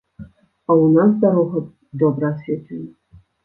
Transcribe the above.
А ў нас дарога добра асветлена.